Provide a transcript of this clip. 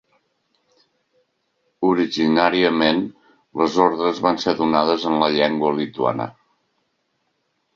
Originàriament, les ordres van ser donades en la llengua lituana.